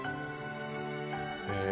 「へえ！」